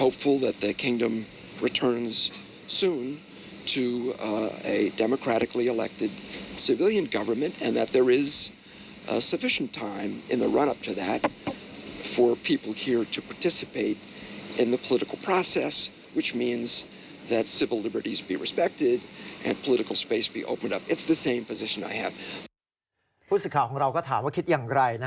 พูดสิทธิ์ข่าวของเราก็ถามว่า